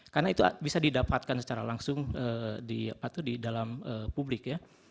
karena itu bisa didapatkan secara langsung di dalam publik ya